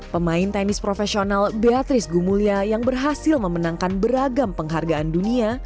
pemain tenis profesional beatrice gumulya yang berhasil memenangkan beragam penghargaan dunia